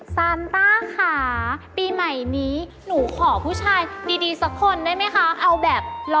สานต้าขาปีใหม่นี้หนูขอผู้ชายดีสัสคนได้ไหมคะ